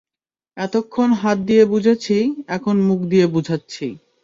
এতোক্ষণ হাত দিয়ে বুঝিয়েছি, এখন মুখ দিয়ে বুঝাচ্ছি।